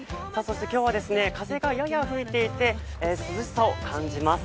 今日は風がやや吹いていて涼しさを感じます。